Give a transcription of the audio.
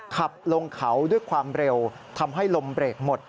ขับลงเขาด้วยความเร็วทำให้ลมเบรกหมด